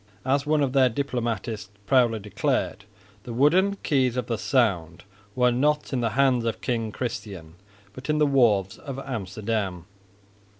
As one of their diplomatists proudly declared, "the wooden keys of the Sound were not in the hands of King Christian, but in the wharves of Amsterdam."